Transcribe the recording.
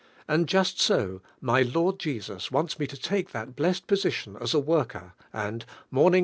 And jusi bo, my Lord Jesus wants me to take (lint blessed position as a worker, and, morning